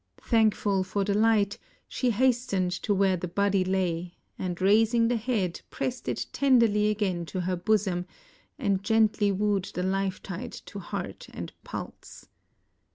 Thankful for the Hght. she hastened to where the body lay, and raising the head pressed it tenderly again to her bosom, and gently wooed the lifetide to heart and pulse.